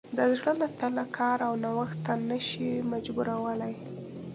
د زړه له تله کار او نوښت ته نه شي مجبورولی.